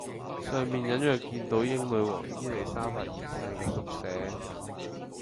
上面隱約見到英女皇伊莉莎白二世嘅縮寫